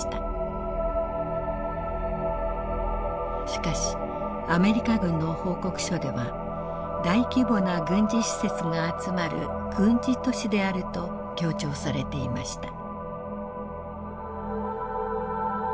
しかしアメリカ軍の報告書では大規模な軍事施設が集まる軍事都市であると強調されていました。